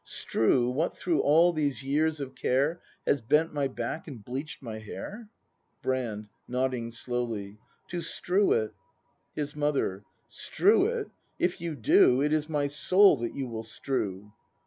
] Strew, what through all these years of care Has bent my back and bleach'd my hair? Brand. [Nodding slowly.] To strew it. His Mother. Strew it! If you do. It is my soul that you will strew!